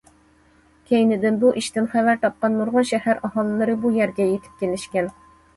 كەينىدىن بۇ ئىشتىن خەۋەر تاپقان نۇرغۇن شەھەر ئاھالىلىرى بۇ يەرگە يېتىپ كېلىشكەن.